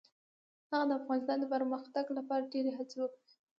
هغه د افغانستان د پرمختګ لپاره ډیرې هڅې وکړې.